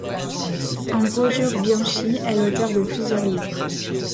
Ambrogio Bianchi est l’auteur de plusieurs livres.